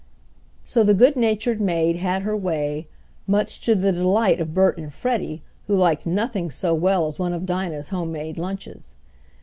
So the good natured maid had her way, much to the delight of Bert and Freddie, who liked nothing so well as one of Dinah's homemade lunches.